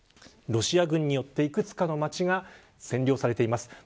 ロシア軍によっていくつかの町が占領されています。